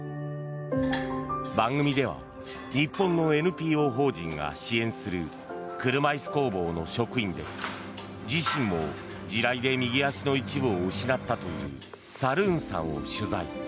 番組では日本のＮＰＯ法人が支援する車椅子工房の職員で自身も地雷で右足の一部を失ったというサルーンさんを取材。